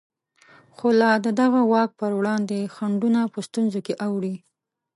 خو لا د دغه واک په وړاندې خنډونه په ستونزو کې اوړي.